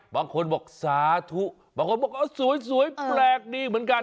บางคนบอกสาธุบางคนบอกสวยแปลกดีเหมือนกัน